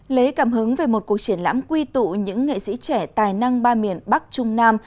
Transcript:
lấy cảm hứng về một cuộc triển lãm quy tụ những nghệ sĩ trẻ tài năng ba miền bắc trung nam